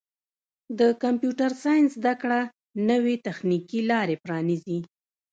د کمپیوټر ساینس زدهکړه نوې تخنیکي لارې پرانیزي.